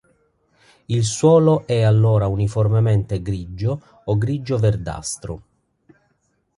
Il suolo è allora uniformemente grigio o grigio verdastro.